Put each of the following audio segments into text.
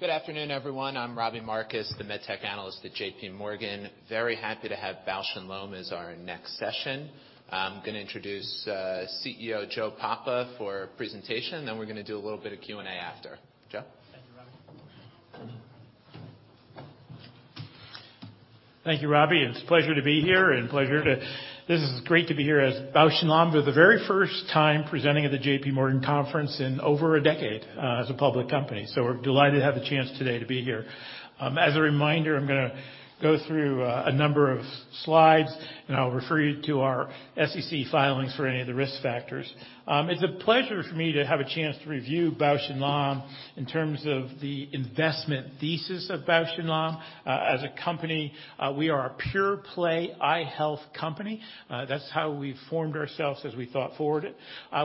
Good afternoon, everyone. I'm Robbie Marcus, the med tech analyst at JP Morgan. Very happy to have Bausch + Lomb as our next session. I'm gonna introduce CEO Joe Papa for presentation, then we're gonna do a little bit of Q&A after. Joe. Thank you, Robbie. Thank you, Robbie. It's a pleasure to be here and this is great to be here as Bausch + Lomb for the very first time presenting at the JPMorgan Conference in over a decade as a public company. We're delighted to have the chance today to be here. As a reminder, I'm gonna go through a number of slides, and I'll refer you to our SEC filings for any of the risk factors. It's a pleasure for me to have a chance to review Bausch + Lomb in terms of the investment thesis of Bausch + Lomb. As a company, we are a pure play eye health company. That's how we formed ourselves as we thought forward.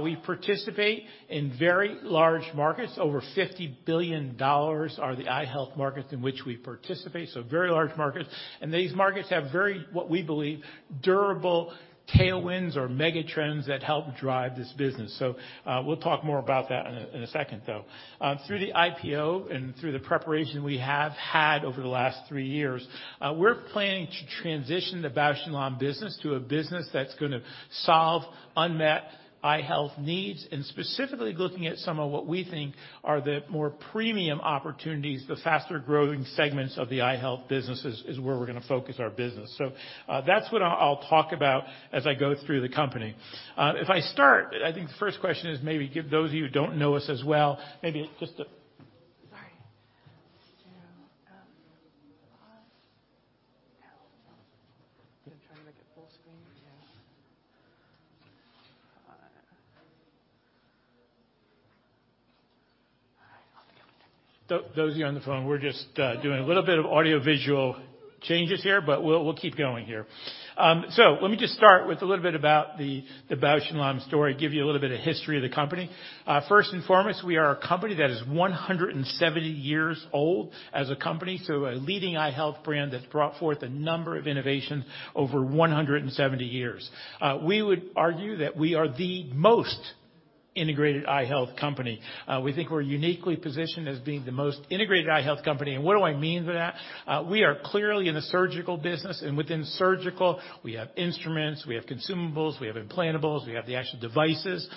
We participate in very large markets. Over $50 billion are the eye health markets in which we participate, so very large markets. These markets have very, what we believe, durable tailwinds or mega trends that help drive this business. We'll talk more about that in a second, though. Through the IPO and through the preparation we have had over the last three years, we're planning to transition the Bausch + Lomb business to a business that's gonna solve unmet eye health needs, and specifically looking at some of what we think are the more premium opportunities, the faster-growing segments of the eye health business is where we're gonna focus our business. That's what I'll talk about as I go through the company. If I start, I think the first question is maybe give those of you who don't know us as well, maybe just. Sorry. I'm trying to make it full screen. All right. I'll be with you in a minute. Those of you on the phone, we're just doing a little bit of audio-visual changes here, but we'll keep going here. Let me just start with a little bit about the Bausch + Lomb story, give you a little bit of history of the company. First and foremost, we are a company that is 170 years old as a company. A leading eye health brand that's brought forth a number of innovations over 170 years. We would argue that we are the most integrated eye health company. We think we're uniquely positioned as being the most integrated eye health company. What do I mean by that? We are clearly in the surgical business, and within surgical, we have instruments, we have consumables, we have implantables, we have the actual devices.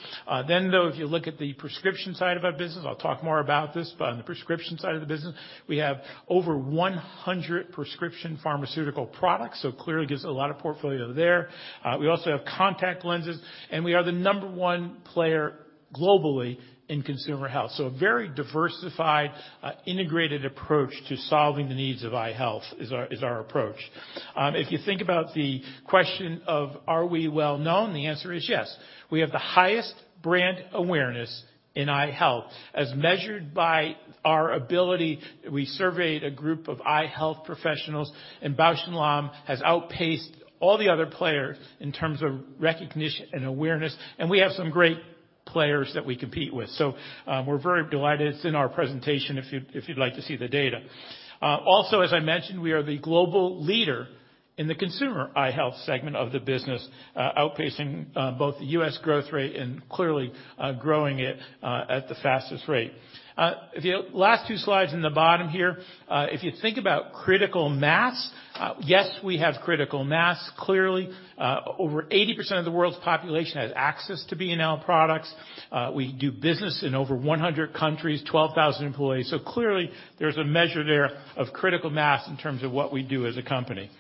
If you look at the prescription side of our business, I'll talk more about this, but on the prescription side of the business, we have over 100 prescription pharmaceutical products, clearly gives a lot of portfolio there. We also have contact lenses, and we are the number one player globally in consumer health. A very diversified, integrated approach to solving the needs of eye health is our approach. If you think about the question of are we well-known? The answer is yes. We have the highest brand awareness in eye health as measured by our ability. We surveyed a group of eye health professionals, and Bausch + Lomb has outpaced all the other players in terms of recognition and awareness, and we have some great players that we compete with. We're very delighted. It's in our presentation if you'd like to see the data. Also, as I mentioned, we are the global leader in the consumer eye health segment of the business, outpacing both the US growth rate and clearly growing it at the fastest rate. The last two slides in the bottom here, if you think about critical mass, yes, we have critical mass. Clearly, over 80% of the world's population has access to B&L products. We do business in over 100 countries, 12,000 employees. Clearly there's a measure there of critical mass in terms of what we do as a company.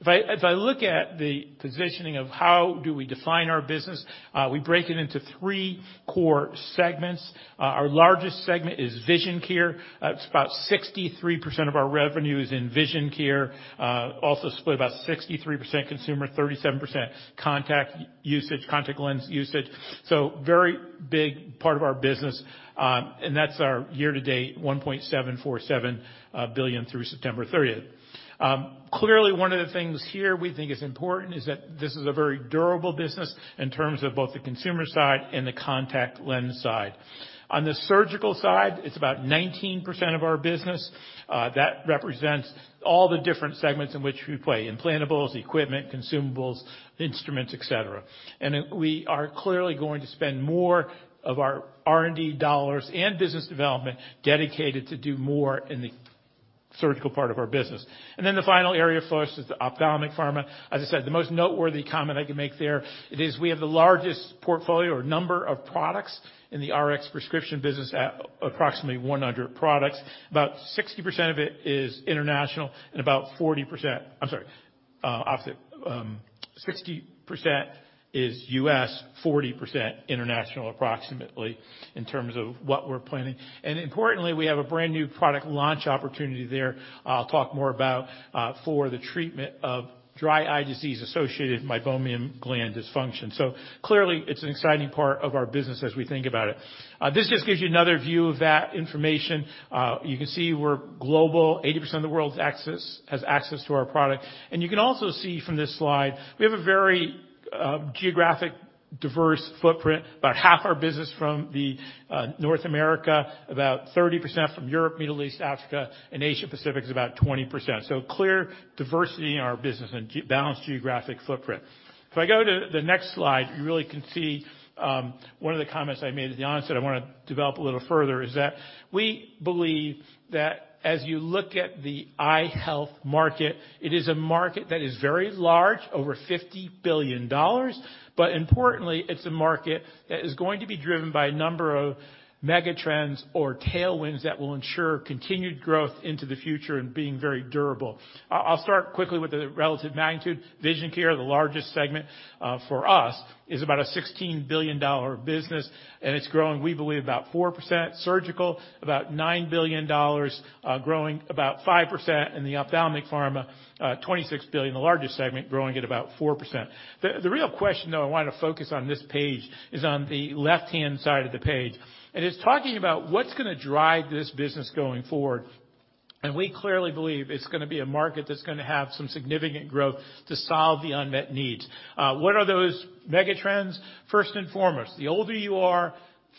If I look at the positioning of how do we define our business, we break it into three core segments. Our largest segment is vision care. It's about 63% of our revenue is in vision care. Also split about 63% consumer, 37% contact usage, contact lens usage. Very big part of our business, and that's our year to date, $1.747 billion through September 30th. Clearly one of the things here we think is important is that this is a very durable business in terms of both the consumer side and the contact lens side. On the surgical side, it's about 19% of our business. That represents all the different segments in which we play. Implantables, equipment, consumables, instruments, et cetera. We are clearly going to spend more of our R&D dollars and business development dedicated to do more in the surgical part of our business. The final area for us is the ophthalmic pharma. As I said, the most noteworthy comment I can make there it is we have the largest portfolio or number of products in the Rx prescription business at approximately 100 products. About 60% of it is international and about 40%... I'm sorry. Opposite. 60% is U.S., 40% international approximately in terms of what we're planning. Importantly, we have a brand new product launch opportunity there I'll talk more about, for the treatment of dry eye disease associated Meibomian Gland Dysfunction. Clearly, it's an exciting part of our business as we think about it. This just gives you another view of that information. You can see we're global. 80% of the world has access to our product. You can also see from this slide, we have a very geographic-Diverse footprint. About half our business from North America, about 30% from Europe, Middle East, Africa, and Asia Pacific is about 20%. Clear diversity in our business and balanced geographic footprint. If I go to the next slide, you really can see, one of the comments I made at the onset I want to develop a little further, is that we believe that as you look at the eye health market, it is a market that is very large, over $50 billion. Importantly, it's a market that is going to be driven by a number of mega trends or tailwinds that will ensure continued growth into the future and being very durable. I'll start quickly with the relative magnitude. Vision care, the largest segment, for us, is about a $16 billion business, and it's growing, we believe, about 4%. Surgical, about $9 billion, growing about 5%. In the ophthalmic pharma, $26 billion, the largest segment, growing at about 4%. The real question though, I wanted to focus on this page, is on the left-hand side of the page. It's talking about what's gonna drive this business going forward. We clearly believe it's gonna be a market that's gonna have some significant growth to solve the unmet needs. What are those mega trends? First and foremost, the older you are,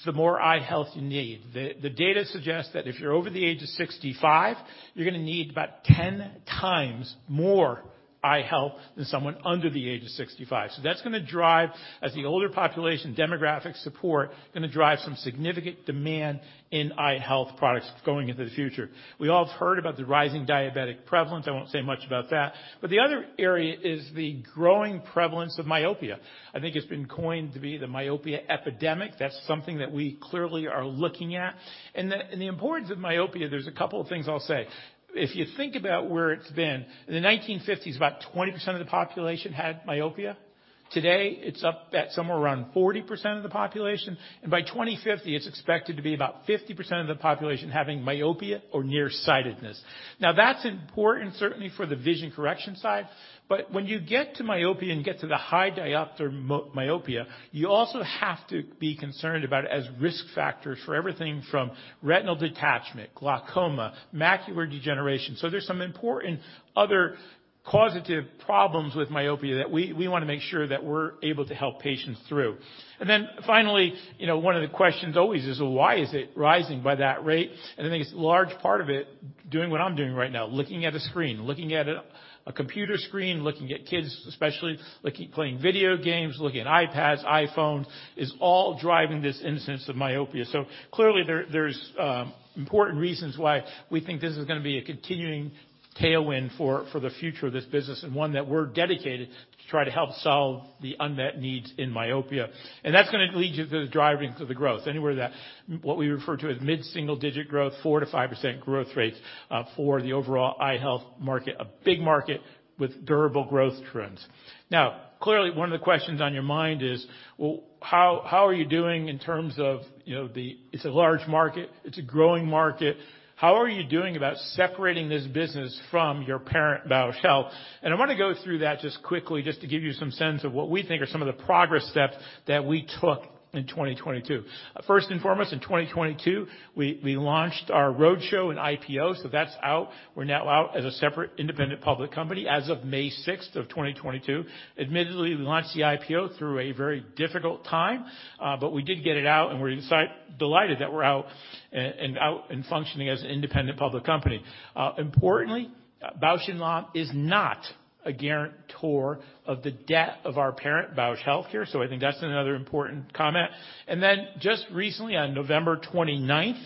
the more eye health you need. The data suggests that if you're over the age of 65, you're gonna need about 10 times more eye health than someone under the age of 65. That's gonna drive, as the older population demographics support, gonna drive some significant demand in eye health products going into the future. We all have heard about the rising diabetic prevalence. I won't say much about that. The other area is the growing prevalence of myopia. I think it's been coined to be the myopia epidemic. That's something that we clearly are looking at. The importance of myopia, there's a couple of things I'll say. If you think about where it's been, in the 1950s, about 20% of the population had myopia. Today, it's up at somewhere around 40% of the population. By 2050, it's expected to be about 50% of the population having myopia or nearsightedness. Now that's important certainly for the vision correction side, but when you get to myopia and get to the high diopter myopia, you also have to be concerned about it as risk factors for everything from retinal detachment, glaucoma, macular degeneration. There's some important other causative problems with myopia that we wanna make sure that we're able to help patients through. Finally, you know, one of the questions always is why is it rising by that rate? I think it's a large part of it, doing what I'm doing right now, looking at a screen, looking at a computer screen, looking at kids especially playing video games, looking at iPads, iPhone is all driving this instance of myopia. Clearly there's important reasons why we think this is gonna be a continuing tailwind for the future of this business, and one that we're dedicated to try to help solve the unmet needs in myopia. That's gonna lead you to the driving of the growth. Anywhere that what we refer to as mid-single digit growth, 4%-5% growth rates, for the overall eye health market. A big market with durable growth trends. Clearly, one of the questions on your mind is, how are you doing in terms of, you know, It's a large market, it's a growing market. How are you doing about separating this business from your parent, Bausch Health? I wanna go through that just quickly, just to give you some sense of what we think are some of the progress steps that we took in 2022. First and foremost, in 2022, we launched our roadshow and IPO, so that's out. We're now out as a separate independent public company as of May 6th, 2022. Admittedly, we launched the IPO through a very difficult time, but we did get it out, and we're delighted that we're out and functioning as an independent public company. Importantly, Bausch + Lomb is not a guarantor of the debt of our parent, Bausch Health. I think that's another important comment. Just recently, on November 29th,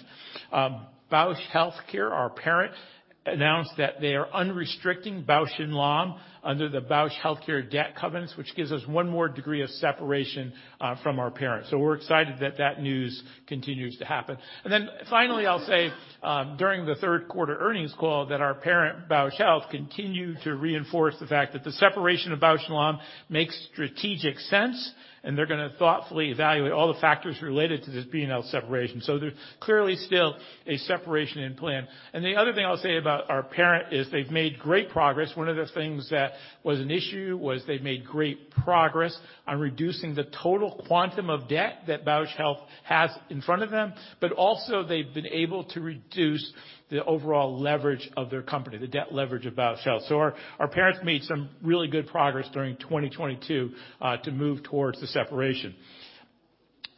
Bausch Health, our parent, announced that they are unrestricting Bausch + Lomb under the Bausch Healthcare debt covenants, which gives us one more degree of separation from our parent. We're excited that that news continues to happen. Finally, I'll say, during the third quarter earnings call that our parent, Bausch Health, continued to reinforce the fact that the separation of Bausch + Lomb makes strategic sense, and they're gonna thoughtfully evaluate all the factors related to this P&L separation. There's clearly still a separation in plan. The other thing I'll say about our parent is they've made great progress. One of the things that was an issue was they've made great progress on reducing the total quantum of debt that Bausch Health has in front of them. Also they've been able to reduce the overall leverage of their company, the debt leverage of Bausch Health. Our parent made some really good progress during 2022 to move towards the separation.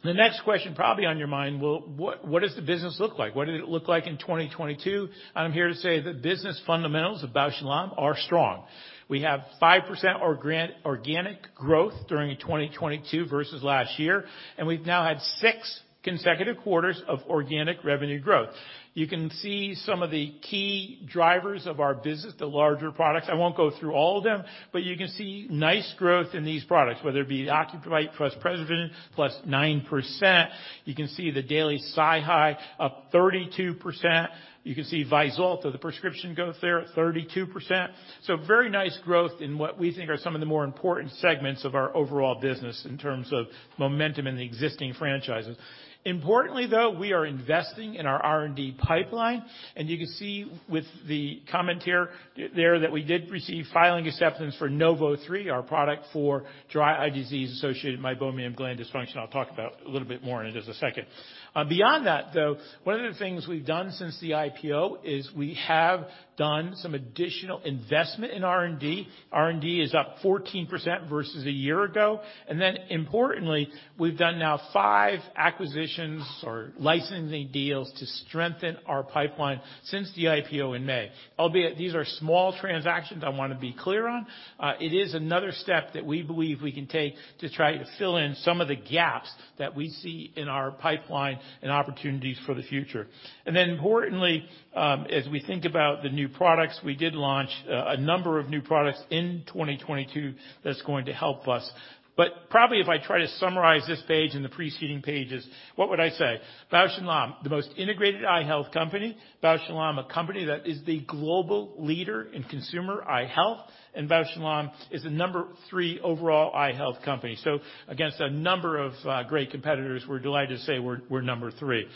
The next question probably on your mind, what does the business look like? What did it look like in 2022? I'm here to say the business fundamentals of Bausch + Lomb are strong. We have 5% organic growth during 2022 versus last year, and we've now had 6 consecutive quarters of organic revenue growth. You can see some of the key drivers of our business, the larger products. I won't go through all of them, but you can see nice growth in these products, whether it be the Ocuvite plus PreserVision + 9%. You can see the daily SiHy up 32%. You can see Vyzulta, the prescription growth there at 32%. Very nice growth in what we think are some of the more important segments of our overall business in terms of momentum in the existing franchises. Importantly, though, we are investing in our R&D pipeline, and you can see with the comment here, there that we did receive filing acceptance for NOV03, our product for dry eye disease-associated Meibomian Gland Dysfunction. I'll talk about a little bit more in just a second. Beyond that, though, one of the things we've done since the IPO is we have done some additional investment in R&D. R&D is up 14% versus a year ago. Importantly, we've done now five acquisitions or licensing deals to strengthen our pipeline since the IPO in May. Albeit these are small transactions, I wanna be clear on. It is another step that we believe we can take to try to fill in some of the gaps that we see in our pipeline and opportunities for the future. Importantly, as we think about the new products, we did launch a number of new products in 2022 that's going to help us. Probably if I try to summarize this page in the preceding pages, what would I say? Bausch + Lomb, the most integrated eye health company. Bausch + Lomb, a company that is the global leader in consumer eye health. Bausch + Lomb is the number three overall eye health company. Against a number of great competitors, we're delighted to say we're number three.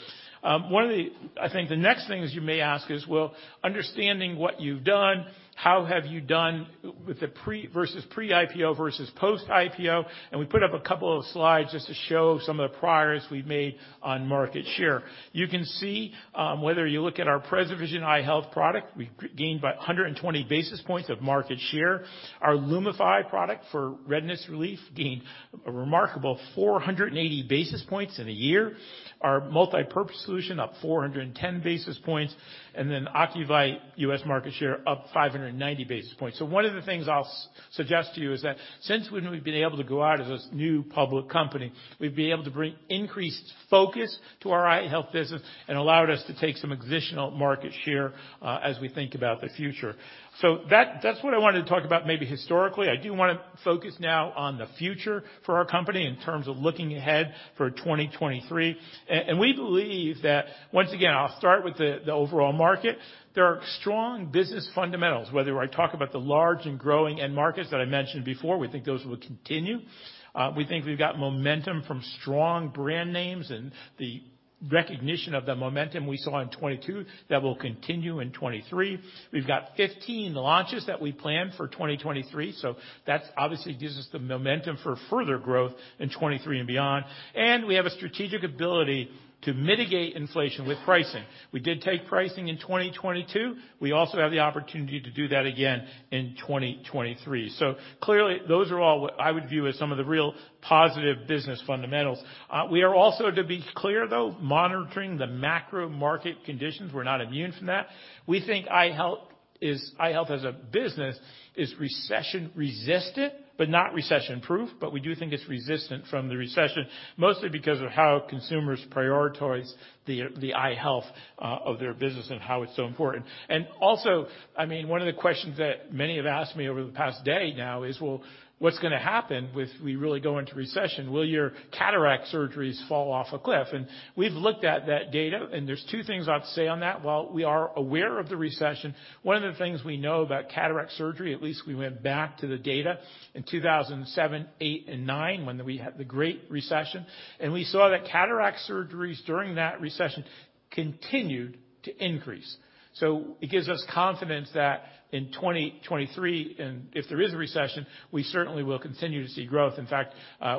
One of the I think the next things you may ask is, "Well, understanding what you've done, how have you done with the pre- versus pre-IPO versus post-IPO?" We put up a couple of slides just to show some of the priors we've made on market share. You can see, whether you look at our PreserVision eye health product, we've gained by 120 basis points of market share. Our LUMIFY product for redness relief gained a remarkable 480 basis points in a year. Our multipurpose solution up 410 basis points. Ocuvite US market share up 590 basis points. One of the things I'll suggest to you is that since we've been able to go out as this new public company, we've been able to bring increased focus to our eye health business and allowed us to take some additional market share as we think about the future. That's what I wanted to talk about, maybe historically. I do wanna focus now on the future for our company in terms of looking ahead for 2023. We believe that... Once again, I'll start with the overall market. There are strong business fundamentals, whether I talk about the large and growing end markets that I mentioned before. We think those will continue. We think we've got momentum from strong brand names and the recognition of the momentum we saw in 2022 that will continue in 2023. We've got 15 launches that we plan for 2023, so that obviously gives us the momentum for further growth in 2023 and beyond. We have a strategic ability to mitigate inflation with pricing. We did take pricing in 2022. We also have the opportunity to do that again in 2023. Clearly, those are all what I would view as some of the real positive business fundamentals. We are also, to be clear, though, monitoring the macro market conditions. We're not immune from that. We think eye health as a business is recession resistant, but not recession-proof. We do think it's resistant from the recession, mostly because of how consumers prioritize the eye health of their business and how it's so important. Also, I mean, one of the questions that many have asked me over the past day now is, "Well, what's gonna happen we really go into recession? Will your cataract surgeries fall off a cliff?" We've looked at that data, and there's two things I'd say on that. While we are aware of the recession, one of the things we know about cataract surgery, at least we went back to the data in 2007, 2008, and 2009 when we had the Great Recession, and we saw that cataract surgeries during that recession continued to increase. It gives us confidence that in 2023, and if there is a recession, we certainly will continue to see growth. In fact,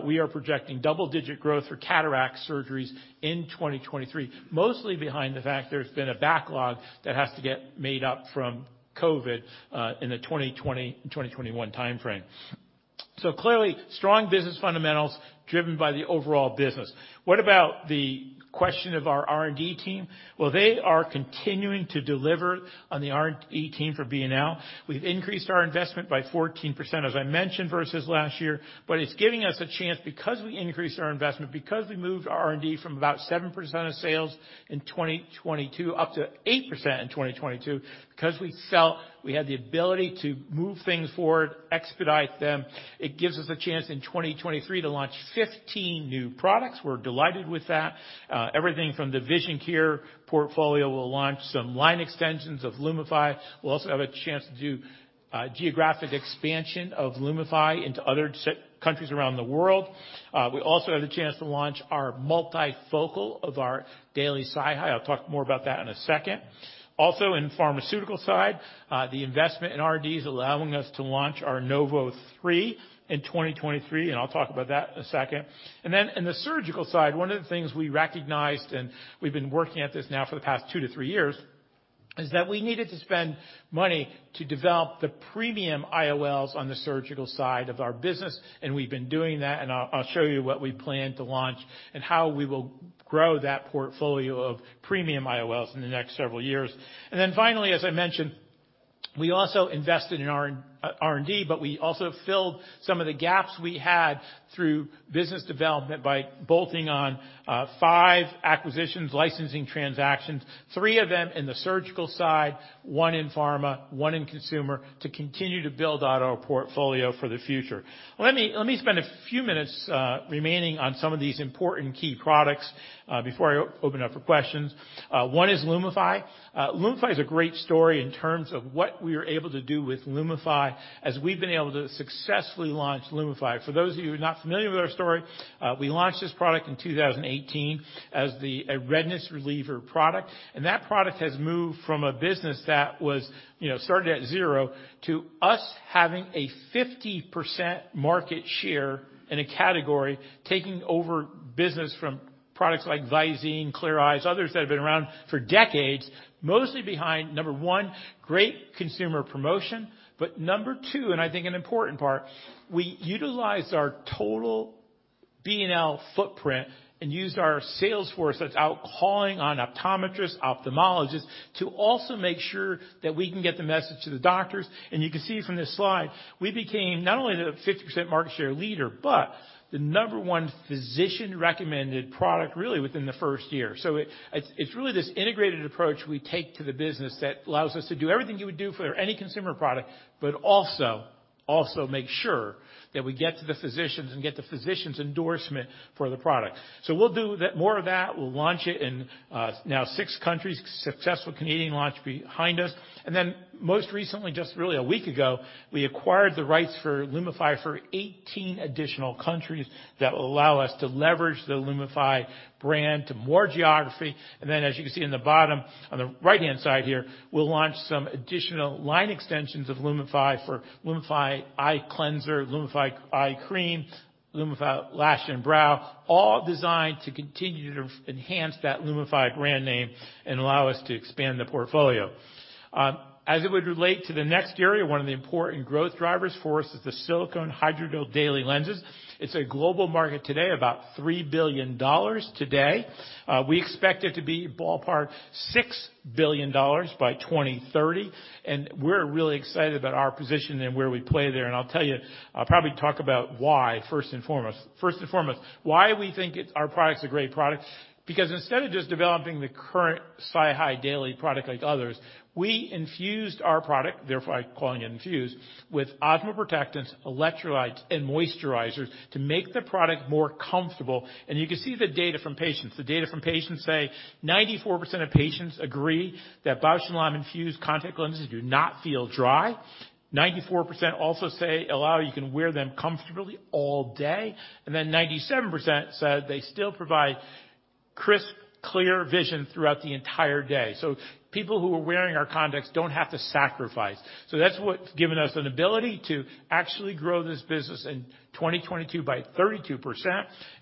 we are projecting double-digit growth for cataract surgeries in 2023, mostly behind the fact there's been a backlog that has to get made up from COVID, in the 2020, 2021 timeframe. Clearly, strong business fundamentals driven by the overall business. What about the question of our R&D team? Well, they are continuing to deliver on the R&D team for B&L. We've increased our investment by 14%, as I mentioned, versus last year. It's giving us a chance because we increased our investment, because we moved our R&D from about 7% of sales in 2022 up to 8% in 2022. We felt we had the ability to move things forward, expedite them, it gives us a chance in 2023 to launch 15 new products. We're delighted with that. Everything from the Vision Care portfolio. We'll launch some line extensions of LUMIFY. We'll also have a chance to do geographic expansion of LUMIFY into other countries around the world. We also have the chance to launch our multifocal of our daily SiHy. I'll talk more about that in a second. Also, in pharmaceutical side, the investment in R&D is allowing us to launch our NOV03 in 2023. I'll talk about that in a second. In the surgical side, one of the things we recognized, and we've been working at this now for the past two to three years, is that we needed to spend money to develop the premium IOLs on the surgical side of our business, and we've been doing that. I'll show you what we plan to launch and how we will grow that portfolio of premium IOLs in the next several years. Finally, as I mentioned We also invested in our R&D, but we also filled some of the gaps we had through business development by bolting on five acquisitions, licensing transactions, three of them in the surgical side, one in pharma, one in consumer to continue to build out our portfolio for the future. Let me spend a few minutes remaining on some of these important key products before I open up for questions. One is LUMIFY. LUMIFY is a great story in terms of what we are able to do with LUMIFY as we've been able to successfully launch LUMIFY. For those of you who are not familiar with our story, we launched this product in 2018 as a redness reliever product. That product has moved from a business that was, you know, started at zero to us having a 50% market share in a category, taking over business from products like VISINE, CLEAR EYES, others that have been around for decades, mostly behind number one, great consumer promotion. Number two, and I think an important part, we utilized our total BNL footprint and used our sales force that's out calling on optometrists, ophthalmologists, to also make sure that we can get the message to the doctors. You can see from this slide, we became not only the 50% market share leader, but the number one physician-recommended product really within the first year. It's really this integrated approach we take to the business that allows us to do everything you would do for any consumer product, but also make sure that we get to the physicians and get the physician's endorsement for the product. We'll do more of that. We'll launch it in now six countries. Successful Canadian launch behind us. Most recently, just really a week ago, we acquired the rights for LUMIFY for 18 additional countries that will allow us to leverage the LUMIFY brand to more geography. As you can see in the bottom, on the right-hand side here, we'll launch some additional line extensions of LUMIFY for LUMIFY eye cleanser, LUMIFY eye cream, LUMIFY lash and brow, all designed to continue to enhance that LUMIFY brand name and allow us to expand the portfolio. As it would relate to the next area, one of the important growth drivers for us is the silicone hydrogel daily lenses. It's a global market today, about $3 billion today. We expect it to be ballpark $6 billion by 2030, and we're really excited about our position and where we play there. I'll tell you, I'll probably talk about why first and foremost. First and foremost, why we think our product's a great product. Instead of just developing the current SiHy daily product like others, we infused our product, therefore I calling it infused, with osmoprotectants, electrolytes, and moisturizers to make the product more comfortable. You can see the data from patients. The data from patients say 94% of patients agree that Bausch + Lomb infused contact lenses do not feel dry. 94% also say, allow you can wear them comfortably all day, and then 97% said they still provide crisp, clear vision throughout the entire day. People who are wearing our contacts don't have to sacrifice. That's what's given us an ability to actually grow this business in 2022 by 32%.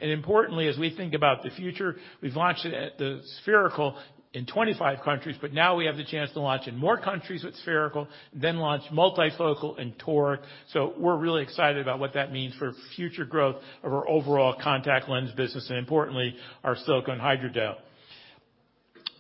Importantly, as we think about the future, we've launched it at the spherical in 25 countries, but now we have the chance to launch in more countries with spherical, then launch multifocal and toric. We're really excited about what that means for future growth of our overall contact lens business, and importantly, our silicone hydrogel.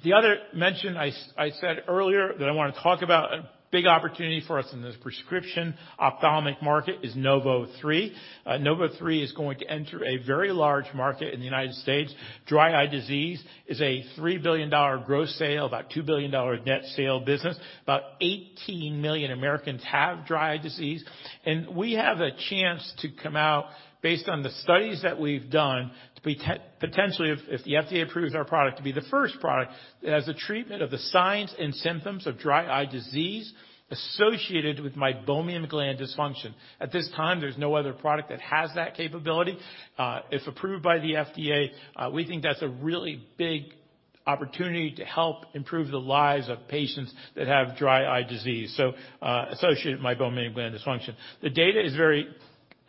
The other mention I said earlier that I wanna talk about, a big opportunity for us in this prescription ophthalmic market is NOV03. NOV03 is going to enter a very large market in the United States. dry eye disease is a $3 billion gross sale, about $2 billion net sale business. About 18 million Americans have dry eye disease. We have a chance to come out based on the studies that we've done to potentially, if the FDA approves our product, to be the first product as a treatment of the signs and symptoms of dry eye disease associated with Meibomian Gland Dysfunction. At this time, there's no other product that has that capability. If approved by the FDA, we think that's a really big opportunity to help improve the lives of patients that have dry eye disease, associated Meibomian Gland Dysfunction. The data is very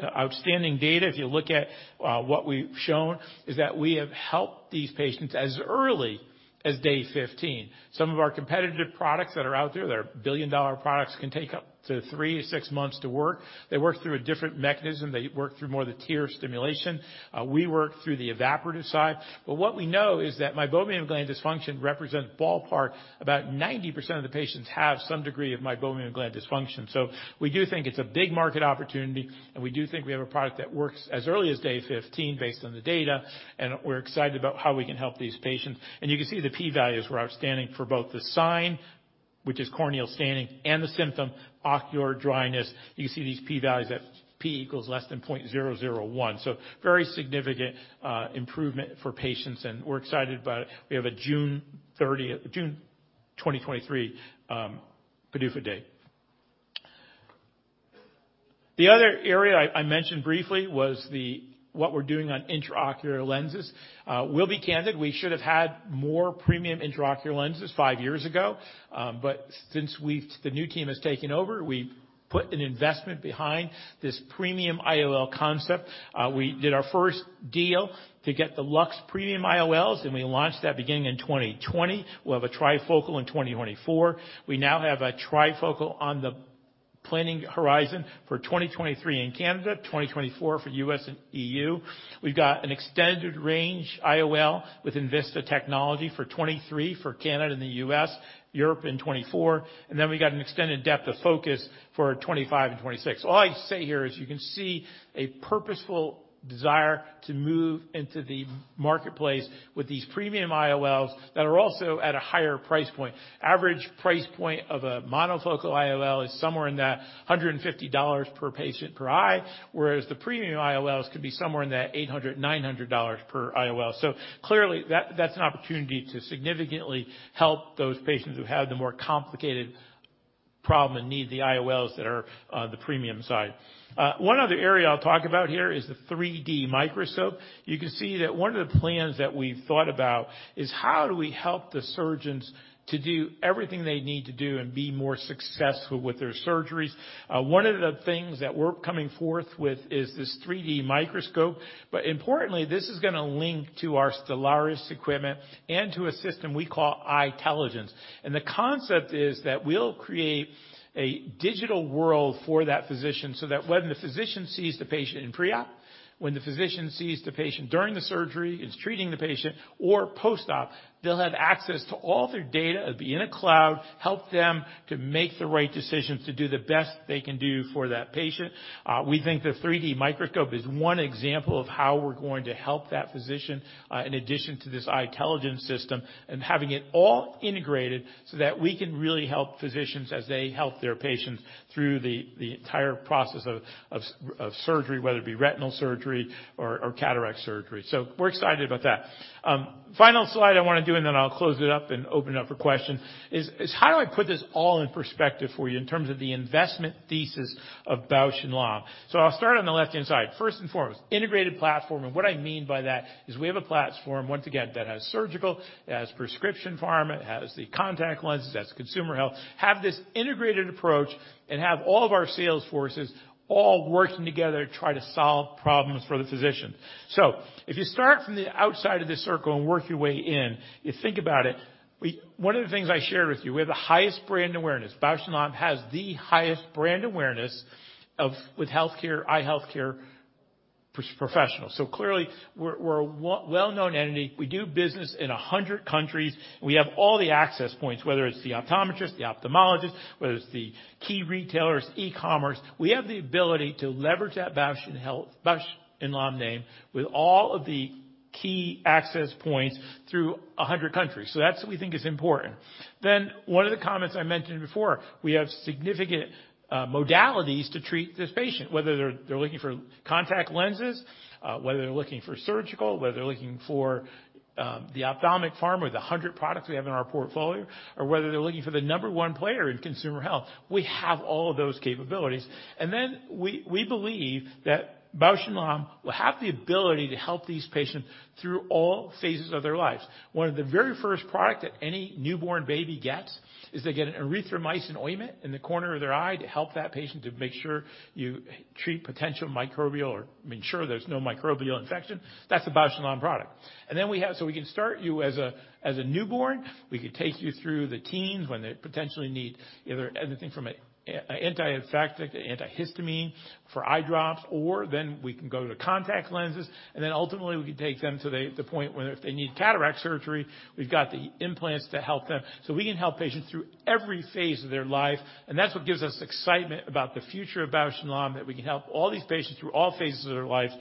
outstanding data. If you look at what we've shown is that we have helped these patients as early as day 15. Some of our competitive products that are out there, they're billion-dollar products, can take up to three to 6 months to work. They work through a different mechanism. They work through more of the tear stimulation. We work through the evaporative side. What we know is that Meibomian Gland Dysfunction represent ballpark about 90% of the patients have some degree of Meibomian Gland Dysfunction. We do think it's a big market opportunity, and we do think we have a product that works as early as day 15 based on the data, and we're excited about how we can help these patients. You can see the p-values were outstanding for both the sign, which is corneal staining, and the symptom, ocular dryness. You can see these p-values at p equals less than 0.001. Very significant improvement for patients, and we're excited about it. We have a June 30th, 2023 PDUFA date. The other area I mentioned briefly was what we're doing on intraocular lenses. We'll be candid. We should have had more premium intraocular lenses five years ago. But since the new team has taken over, we've put an investment behind this premium IOL concept. We did our first deal to get the Lux premium IOLs, we launched that beginning in 2020. We'll have a trifocal in 2024. We now have a trifocal on the planning horizon for 2023 in Canada, 2024 for U.S. and E.U.. We've got an extended range IOL with enVista technology for 2023 for Canada and The U.S., Europe in 2024. We got an extended depth of focus for 2025 and 2026. All I say here is you can see a purposeful desire to move into the marketplace with these premium IOLs that are also at a higher price point. Average price point of a monofocal IOL is somewhere in that $150 per patient per eye, whereas the premium IOLs could be somewhere in that $800, $900 per IOL. Clearly that's an opportunity to significantly help those patients who have the more complicated problem and need the IOLs that are the premium side. One other area I'll talk about here is the 3D microscope. You can see that one of the plans that we've thought about is how do we help the surgeons to do everything they need to do and be more successful with their surgeries? One of the things that we're coming forth with is this 3D microscope. Importantly, this is gonna link to our Stellaris equipment and to a system we call Eyetelligence. The concept is that we'll create a digital world for that physician, so that when the physician sees the patient in pre-op, when the physician sees the patient during the surgery, is treating the patient or post-op, they'll have access to all their data. It'll be in a cloud, help them to make the right decisions to do the best they can do for that patient. We think the 3D microscope is one example of how we're going to help that physician, in addition to this Eyetelligence system and having it all integrated so that we can really help physicians as they help their patients through the entire process of surgery, whether it be retinal surgery or cataract surgery. We're excited about that. Final slide I wanna do, and then I'll close it up and open it up for questions, is how do I put this all in perspective for you in terms of the investment thesis of Bausch + Lomb? I'll start on the left-hand side. First and foremost, integrated platform, and what I mean by that is we have a platform, once again, that has surgical, it has prescription pharma, it has the contact lenses, it has consumer health. Have this integrated approach and have all of our sales forces all working together to try to solve problems for the physician. If you start from the outside of this circle and work your way in, you think about it. One of the things I shared with you, we have the highest brand awareness. Bausch + Lomb has the highest brand awareness with eye health care professionals. Clearly, we're a well-known entity. We do business in 100 countries. We have all the access points, whether it's the optometrist, the ophthalmologist, whether it's the key retailers, e-commerce. We have the ability to leverage that Bausch + Lomb name with all of the key access points through 100 countries. That's what we think is important. One of the comments I mentioned before, we have significant modalities to treat this patient, whether they're looking for contact lenses, whether they're looking for surgical, whether they're looking for the ophthalmic pharma, the 100 products we have in our portfolio, or whether they're looking for the number one player in consumer health. We have all of those capabilities. We believe that Bausch + Lomb will have the ability to help these patients through all phases of their lives. One of the very first product that any newborn baby gets is they get an erythromycin ointment in the corner of their eye to help that patient to make sure you treat potential microbial or ensure there's no microbial infection. That's a Bausch + Lomb product. We can start you as a newborn, we can take you through the teens when they potentially need either anything from a anti-infective to antihistamine for eye drops, or then we can go to contact lenses, ultimately, we can take them to the point where if they need cataract surgery, we've got the implants to help them. We can help patients through every phase of their life. That's what gives us excitement about the future of Bausch + Lomb, that we can help all these patients through all phases of their lives.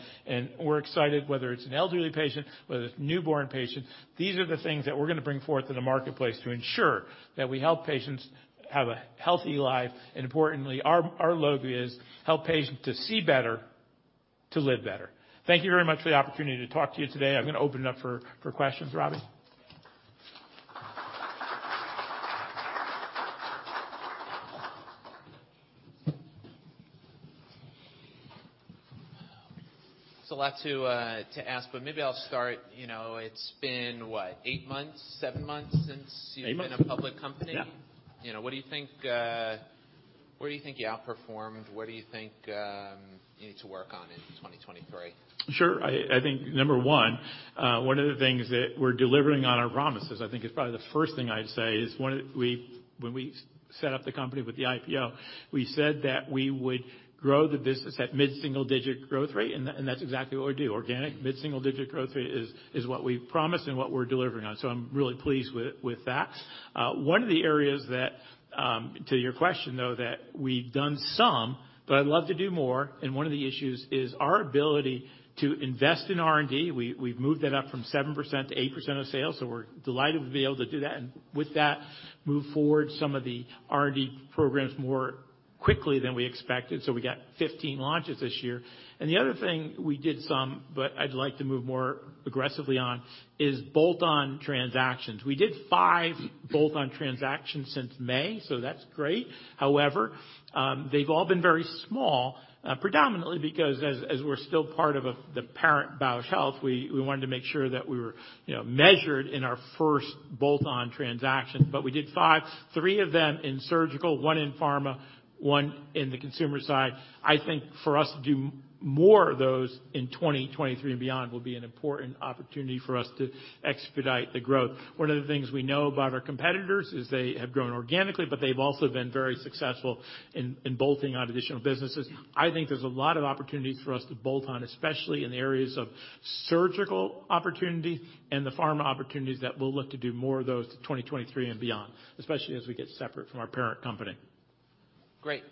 We're excited whether it's an elderly patient, whether it's newborn patient, these are the things that we're gonna bring forth in the marketplace to ensure that we help patients have a healthy life. Importantly, our logo is help patients to see better, to live better. Thank you very much for the opportunity to talk to you today. I'm gonna open it up for questions. Robbie? There's a lot to to ask, but maybe I'll start. You know, it's been, what, eight months, seven months since... Eight months. You've been a public company. Yeah. You know, what do you think, where do you think you outperformed? What do you think, you need to work on in 2023? I think number one of the things that we're delivering on our promises, I think is probably the first thing I'd say is when we set up the company with the IPO, we said that we would grow the business at mid-single digit growth rate, and that's exactly what we do. Organic mid-single digit growth rate is what we've promised and what we're delivering on. I'm really pleased with that. One of the areas that, to your question, though, that we've done some, but I'd love to do more, and one of the issues is our ability to invest in R&D. We've moved that up from 7%-8% of sales, so we're delighted to be able to do that. With that, move forward some of the R&D programs more quickly than we expected. We got 15 launches this year. The other thing, we did some, but I'd like to move more aggressively on, is bolt-on transactions. We did five bolt-on transactions since May, so that's great. However, they've all been very small, predominantly because as we're still part of the parent Bausch Health, we wanted to make sure that we were, you know, measured in our first bolt-on transaction. We did five, three of them in surgical, one in pharma, one in the consumer side. I think for us to do more of those in 2023 and beyond will be an important opportunity for us to expedite the growth. One of the things we know about our competitors is they have grown organically. They've also been very successful in bolting on additional businesses. I think there's a lot of opportunities for us to bolt on, especially in the areas of surgical opportunity and the pharma opportunities that we'll look to do more of those to 2023 and beyond, especially as we get separate from our parent company. Great.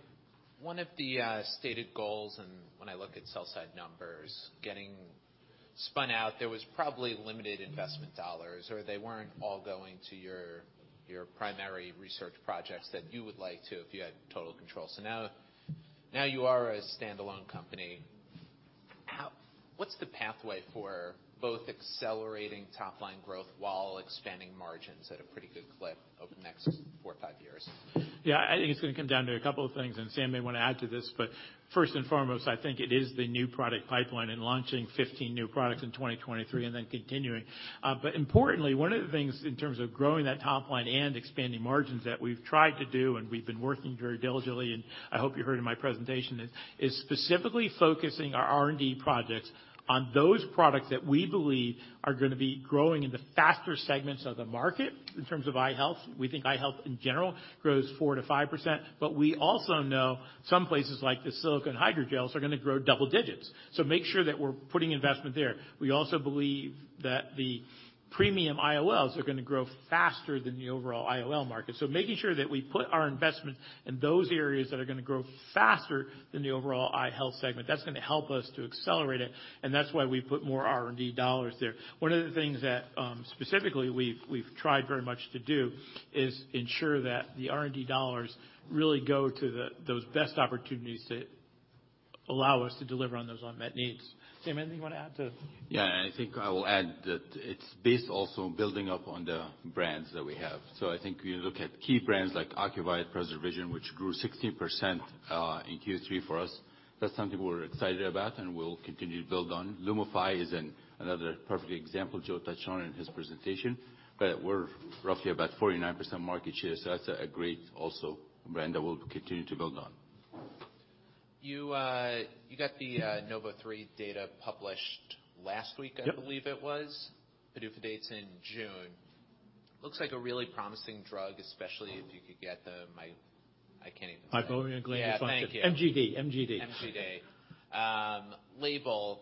One of the stated goals and when I look at sell side numbers, getting spun out, there was probably limited investment dollars, or they weren't all going to your primary research projects that you would like to if you had total control. Now you are a standalone company. How? What's the pathway for both accelerating top line growth while expanding margins at a pretty good clip over the next four or five years? I think it's gonna come down to a couple of things, and Sam may wanna add to this. First and foremost, I think it is the new product pipeline and launching 15 new products in 2023, and then continuing. Importantly, one of the things in terms of growing that top line and expanding margins that we've tried to do, and we've been working very diligently, and I hope you heard in my presentation, is specifically focusing our R&D projects on those products that we believe are gonna be growing in the faster segments of the market in terms of eye health. We think eye health in general grows 4%-5%, but we also know some places like the silicone hydrogels are gonna grow double digits. Make sure that we're putting investment there. We also believe that the premium IOLs are gonna grow faster than the overall IOL market. Making sure that we put our investments in those areas that are gonna grow faster than the overall eye health segment, that's gonna help us to accelerate it, and that's why we put more R&D dollars there. One of the things that specifically we've tried very much to do is ensure that the R&D dollars really go to those best opportunities that allow us to deliver on those unmet needs. Sam, anything you wanna add to... I think I will add that it's based also on building up on the brands that we have. I think we look at key brands like Ocuvite PreserVision, which grew 16% in Q3 for us. That's something we're excited about, and we'll continue to build on. LUMIFY is another perfect example Joe touched on in his presentation. We're roughly about 49% market share, so that's a great also brand that we'll continue to build on. You got the NOV03 data published last week. Yep. I believe it was. PDUFA date's in June. Looks like a really promising drug, especially if you could get the, I can't even say it. Meibomian Gland Dysfunction. Yeah, thank you. MGD. MGD. MGD, label.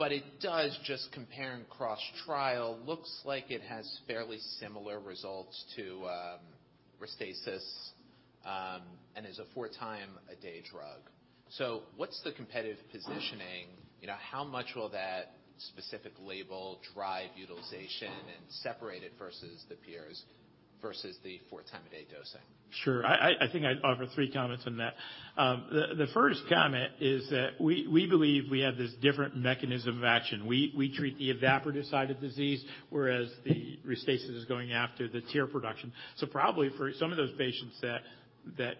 It does just compare and cross trial. Looks like it has fairly similar results to, Restasis, and is a four-time a day drug. What's the competitive positioning? You know, how much will that specific label drive utilization and separate it versus the peers, versus the four-time a day dosing? Sure. I think I'd offer three comments on that. The first comment is that we believe we have this different mechanism of action. We treat the evaporative side of disease, whereas the RESTASIS is going after the tear production. Probably for some of those patients that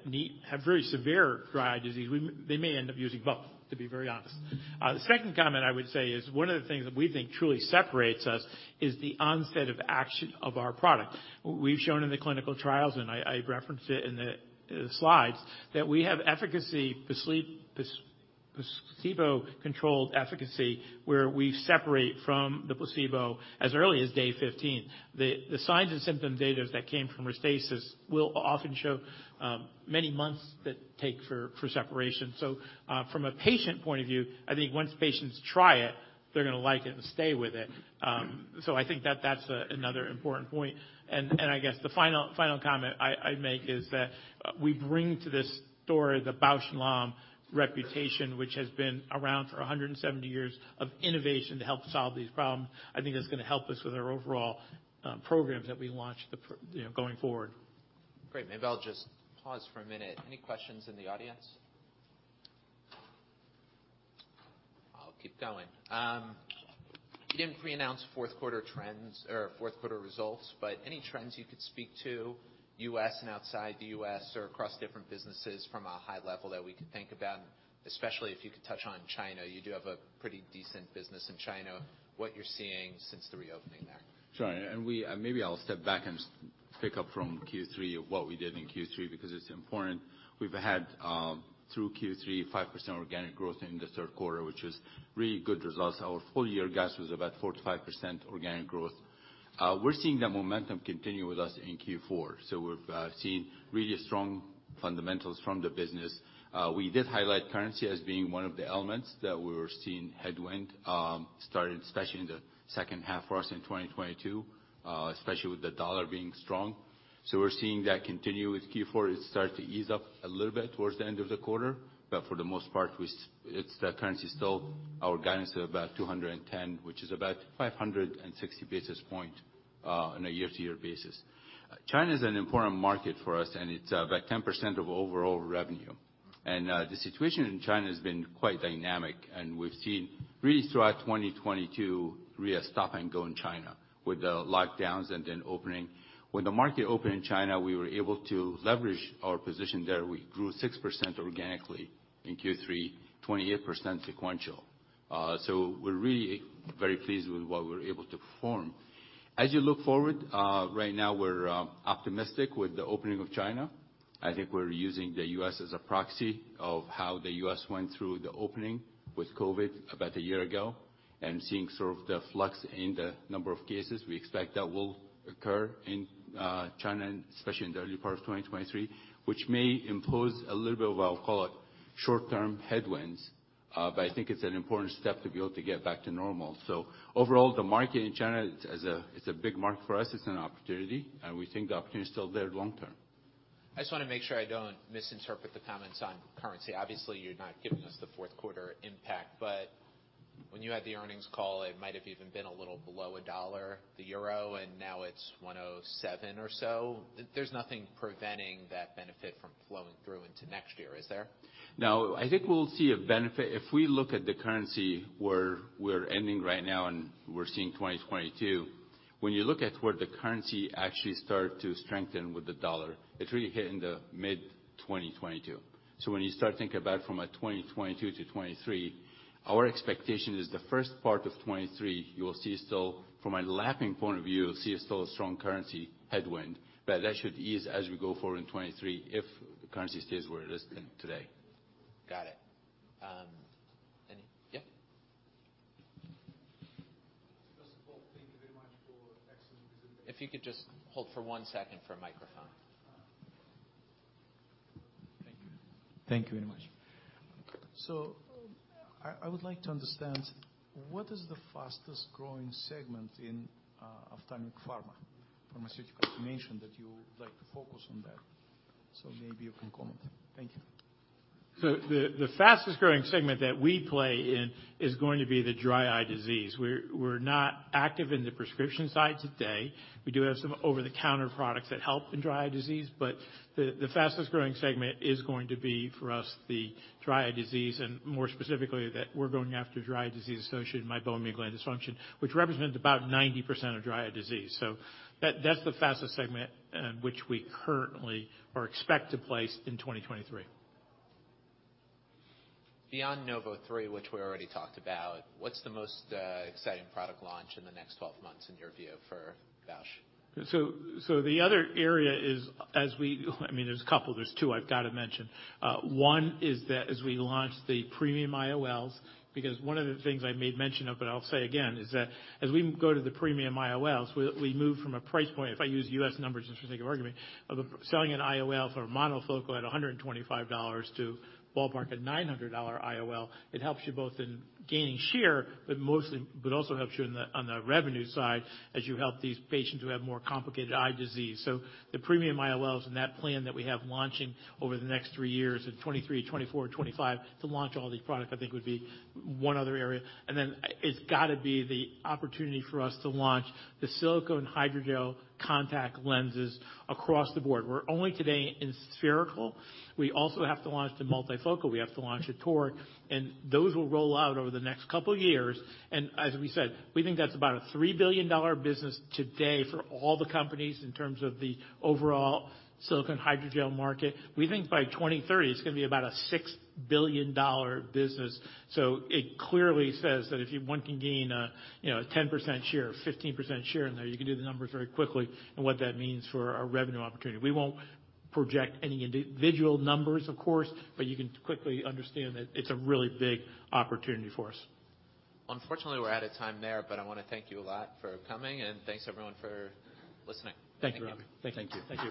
need have very severe dry eye disease, they may end up using both, to be very honest. The second comment I would say is one of the things that we think truly separates us is the onset of action of our product. We've shown in the clinical trials, I referenced it in the slides, that we have efficacy, placebo-controlled efficacy, where we separate from the placebo as early as day 15. The signs and symptom data that came from Restasis will often show many months that take for separation. From a patient point of view, I think once patients try it, they're gonna like it and stay with it. I think that that's another important point. I guess the final comment I make is that we bring to this story the Bausch + Lomb reputation, which has been around for 170 years of innovation to help solve these problems. I think that's gonna help us with our overall programs that we launch you know, going forward. Great. Maybe I'll just pause for a minute. Any questions in the audience? I'll keep going. You didn't preannounce fourth quarter trends or fourth quarter results, but any trends you could speak to U.S. and outside The U.S. or across different businesses from a high level that we could think about, especially if you could touch on China. You do have a pretty decent business in China, what you're seeing since the reopening there. Sure. Maybe I'll step back and pick up from Q3 of what we did in Q3 because it's important. We've had, through Q3, 5% organic growth in the third quarter, which is really good results. Our full year guess was about 4%-5% organic growth. We're seeing that momentum continue with us in Q4. We've seen really strong fundamentals from the business. We did highlight currency as being one of the elements that we were seeing headwind, starting especially in the second half for us in 2022, especially with the dollar being strong. We're seeing that continue with Q4. It started to ease up a little bit towards the end of the quarter, but for the most part, it's the currency still. Our guidance is about 210, which is about 560 basis points on a year-to-year basis. China's an important market for us. It's about 10% of overall revenue. The situation in China has been quite dynamic, and we've seen really throughout 2022, really a stop-and-go in China with the lockdowns and then opening. When the market opened in China, we were able to leverage our position there. We grew 6% organically in Q3, 28% sequential. We're really very pleased with what we're able to perform. As you look forward, right now we're optimistic with the opening of China. I think we're using The U.S. as a proxy of how The U.S. went through the opening with COVID about a year ago and seeing sort of the flux in the number of cases. We expect that will occur in China, especially in the early part of 2023, which may impose a little bit of, I'll call it, short term headwinds, but I think it's an important step to be able to get back to normal. Overall, the market in China is a big market for us. It's an opportunity, and we think the opportunity is still there long term. I just wanna make sure I don't misinterpret the comments on currency. Obviously, you're not giving us the fourth quarter impact, but when you had the earnings call, it might have even been a little below a dollar, the euro, and now it's 1.07 or so. There's nothing preventing that benefit from flowing through into next year, is there? No, I think we'll see a benefit. If we look at the currency where we're ending right now and we're seeing 2022, when you look at where the currency actually started to strengthen with the dollar, it really hit in the mid-2022. When you start thinking about it from a 2022 to 2023, our expectation is the first part of 2023, you will see still, from a lapping point of view, a strong currency headwind, but that should ease as we go forward in 2023 if the currency stays where it is today. Got it. Yeah. Thank you very much for an excellent presentation. If you could just hold for one second for a microphone. Thank you. Thank you very much. I would like to understand what is the fastest-growing segment in ophthalmic pharma? Pharmaceutical. You mentioned that you would like to focus on that, maybe you can comment. Thank you. The fastest-growing segment that we play in is going to be the dry eye disease. We're not active in the prescription side today. We do have some over-the-counter products that help in dry eye disease. The fastest-growing segment is going to be for us the dry eye disease, and more specifically, that we're going after dry eye disease associated with Meibomian Gland Dysfunction, which represents about 90% of dry eye disease. That's the fastest segment in which we currently or expect to place in 2023. Beyond NOV03, which we already talked about, what's the most exciting product launch in the next 12 months in your view for Bausch? The other area is I mean, there's a couple. There's two I've gotta mention. One is that as we launch the premium IOLs, because one of the things I made mention of, but I'll say again, is that as we go to the premium IOLs, we move from a price point, if I use US numbers just for sake of argument, of selling an IOL for monofocal at $125 to ballpark at a $900 IOL. It helps you both in gaining share, but also helps you on the revenue side as you help these patients who have more complicated eye disease. The premium IOLs and that plan that we have launching over the next three years in 2023, 2024, 2025 to launch all the products I think would be one other area. It's gotta be the opportunity for us to launch the silicone hydrogel contact lenses across the board. We're only today in spherical. We also have to launch the multifocal. We have to launch a toric. Those will roll out over the next couple years. As we said, we think that's about a $3 billion business today for all the companies in terms of the overall silicone hydrogel market. We think by 2030, it's gonna be about a $6 billion business. It clearly says that if one can gain a, you know, 10% share, 15% share in there, you can do the numbers very quickly and what that means for our revenue opportunity. We won't project any individual numbers, of course. You can quickly understand that it's a really big opportunity for us. Unfortunately, we're out of time there, but I wanna thank you a lot for coming, and thanks everyone for listening. Thank you, Robbie. Thank you. Thank you.